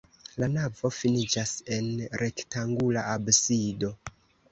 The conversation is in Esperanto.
La navo finiĝas en rektangula absido.